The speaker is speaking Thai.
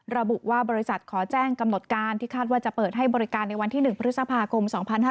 ระบุว่าบริษัทขอแจ้งกำหนดการที่คาดว่าจะเปิดให้บริการในวันที่๑พฤษภาคม๒๕๕๙